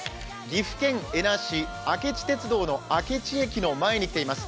岐阜県恵那市明知鉄道の明智駅の前に来ています。